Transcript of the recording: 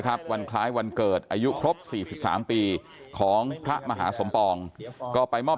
วันคล้ายวันเกิดอายุครบ๔๓ปีของพระมหาสมปองก็ไปมอบ